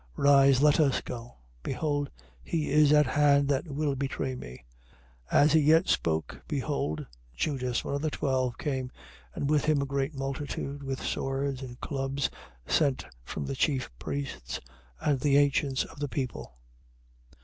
26:46. Rise: let us go. Behold he is at hand that will betray me. 26:47. As he yet spoke, behold Judas, one of the twelve, came, and with him a great multitude with swords and clubs, sent from the chief priests and the ancients of the people.